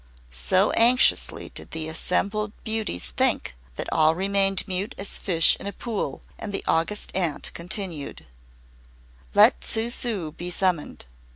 So anxiously did the assembled beauties think, that all remained mute as fish in a pool, and the August Aunt continued: "Let Tsu ssu be summoned.